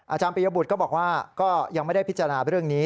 ปียบุตรก็บอกว่าก็ยังไม่ได้พิจารณาเรื่องนี้